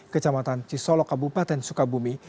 kecamatan cisolok kabupaten sukabumi